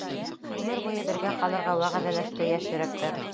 Ғүмер буйы бергә ҡалырға вәғәҙәләште йәш йөрәктәр.